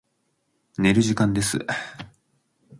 寝る時間です。